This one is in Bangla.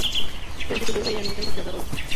জেল থেকে বের হয়েই আমি একজনের সাথে ঝগড়া করলাম।